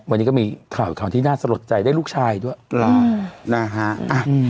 วันนี้ก็มีข่าวข่าวที่น่าสลดใจได้ลูกชายด้วยนะฮะ